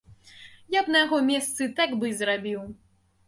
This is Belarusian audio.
Я б на яго месцы так бы і зрабіў.